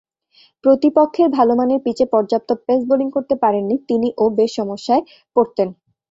প্রতিপক্ষের ভালোমানের পিচে পর্যাপ্ত পেস বোলিং করতে পারেননি তিনি ও বেশ সমস্যায় পড়তেন।